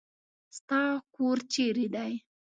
ستا کور چېري دی ؟